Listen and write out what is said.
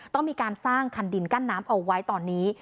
ต้องมีการสร้างคันดินกั้นน้ำเอาไว้ตอนนี้